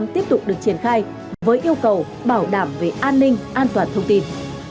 tiếp tục được triển khai với yêu cầu bảo đảm về an ninh an toàn thông tin